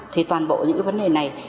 thì toàn bộ những vấn đề này